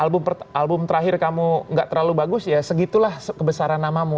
album album terakhir kamu gak terlalu bagus ya segitulah kebesaran namamu